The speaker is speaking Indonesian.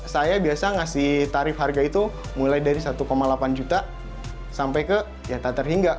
saya biasa ngasih tarif harga itu mulai dari satu delapan juta sampai ke ya tak terhingga